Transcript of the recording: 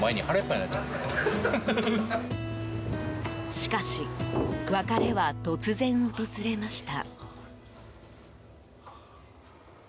しかし、別れは突然訪れました。